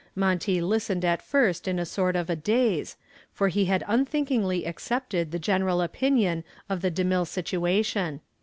Monty listened at first in a sort of a daze, for he had unthinkingly accepted the general opinion of the DeMille situation.